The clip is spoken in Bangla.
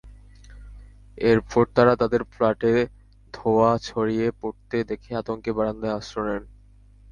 এরপর তাঁরা তাঁদের ফ্ল্যাটে ধোঁয়া ছড়িয়ে পড়তে দেখে আতঙ্কে বারান্দায় আশ্রয় নেন।